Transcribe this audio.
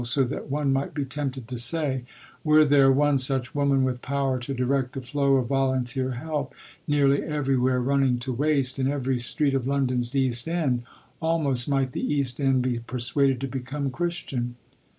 so that one might be tempted to say, 'Were there one such woman with power to direct the flow of volunteer help, nearly everywhere running to waste, in every street of London's East End, almost might the East End be persuaded to become Christian.'